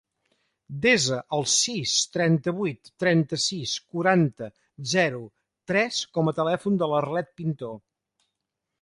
Desa el sis, trenta-vuit, trenta-sis, quaranta, zero, tres com a telèfon de l'Arlet Pintor.